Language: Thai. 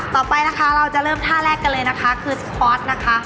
ต่อไปนะคะเราจะเริ่มท่าแรกกันเลยนะคะคือสคอตนะคะ